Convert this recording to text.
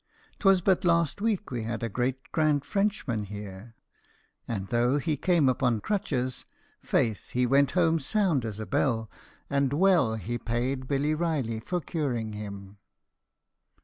'Twas but last week we had a great grand Frenchman here; and, though he came upon crutches, faith he went home sound as a bell; and well he paid Billy Reily for curing him."